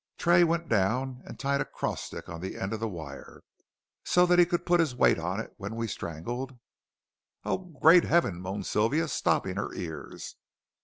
Tray went down and tied a cross stick on the end of the wire, so that he could put his weight on it when we strangled " "Oh great heaven," moaned Sylvia, stopping her ears.